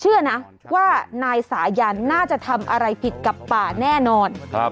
เชื่อนะว่านายสายันน่าจะทำอะไรผิดกับป่าแน่นอน